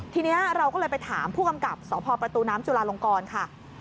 ทีนี้เราก็เลยไปถามผู้กำกับสพประตูน้ำจุลาลงกรค่ะ